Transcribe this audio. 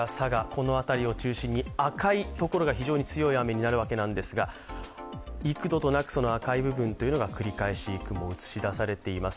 この辺りを中心に赤いところが非常に強い雨になるわけですが幾度となく赤い部分が繰り返し映し出されています。